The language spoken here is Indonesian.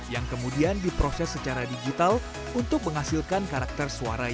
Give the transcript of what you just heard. yang kemudian diproses secara digital untuk menghasilkan berbagai penyanyi